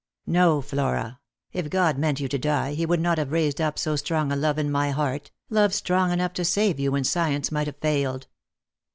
" No, Flora ; if God meant you to die, He would not have raised up so strong a love in my heart — love strong enough to save you when science might have failed."